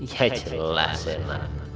ya celah zena